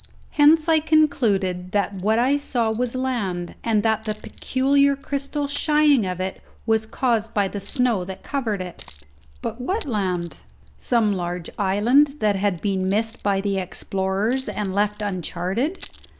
Hence I concluded that what I saw was land, and that the peculiar crystal shining of it was caused by the snow that covered it. But what land? Some large island that had been missed by the explorers and left uncharted?